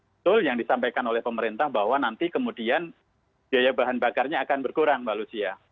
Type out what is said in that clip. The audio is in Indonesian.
betul yang disampaikan oleh pemerintah bahwa nanti kemudian biaya bahan bakarnya akan berkurang mbak lucia